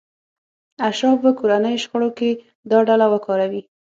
اشراف به کورنیو شخړو کې دا ډله وکاروي.